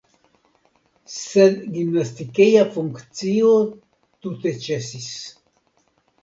Sed gimnastikeja funkcio tute ĉesis.